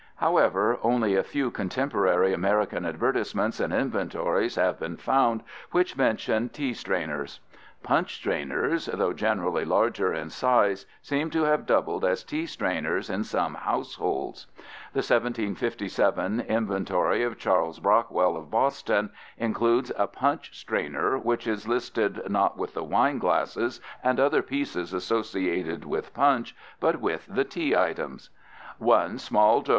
However, only a few contemporary American advertisements and inventories have been found which mention tea strainers. Punch strainers, though generally larger in size, seem to have doubled as tea strainers in some households. The 1757 inventory of Charles Brockwell of Boston includes a punch strainer which is listed not with the wine glasses and other pieces associated with punch but with the tea items: "1 Small Do.